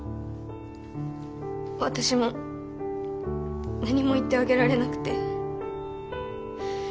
私も何も言ってあげられなくて。